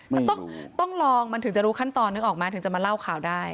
มันต้องลองมันถึงจะรู้ขั้นตอนนึกออกมาถึงจะมาเล่าข่าวได้